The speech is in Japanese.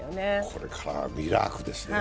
これからはミラークですね。